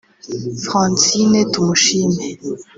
Francine Tumushime